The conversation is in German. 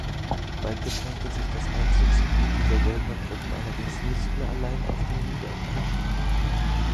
Bald beschränkte sich das Einzugsgebiet dieser Söldnertruppen allerdings nicht mehr allein auf den Niederrhein.